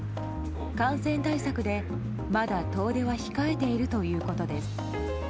感染対策で、まだ遠出は控えているということです。